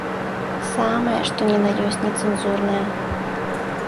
Самае што ні на ёсць нецэнзурнае.